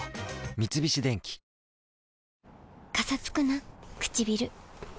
三菱電機カサつくなくちびる。